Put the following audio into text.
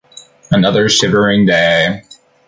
Another shivering day